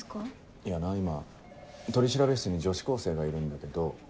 いやな今取調室に女子高生がいるんだけど。